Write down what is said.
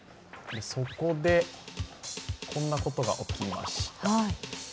そこでこんなことが起きました。